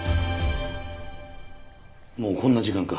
もうこんな時間か。